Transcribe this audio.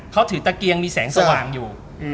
เขาถือตะเกียงมีแสงสว่างอยู่